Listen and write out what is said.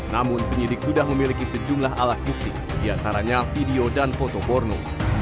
namun penyidik sudah memiliki sejumlah alat bukti diantaranya video dan foto porno